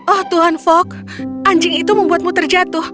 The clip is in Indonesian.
oh tuan fog anjing itu membuatmu terjatuh